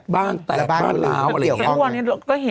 บ้านโหบ้างแอ่งจี้